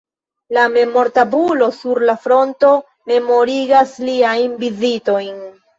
La memor-tabulo sur la fronto memorigas liajn vizitojn.